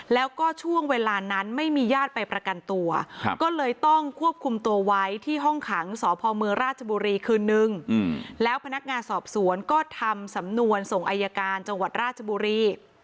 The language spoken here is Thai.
แล้วพนักงานสอบสวนก็ทำสำนวนส่งอายการจังหวัดราชบุรี